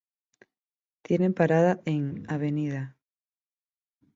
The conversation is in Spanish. Tiene parada en: Av.